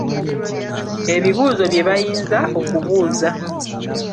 Ebibuuzo bye bayinza okubuuza.